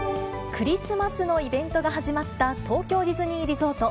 クリスマスのイベントが始まった東京ディズニーリゾート。